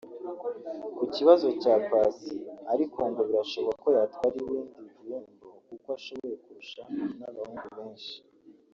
Ku kibazo cya Paccy ariko ngo birashoboka ko yatwara n’ibindi bihembo kuko ashoboye kurusha n’abahungu benshi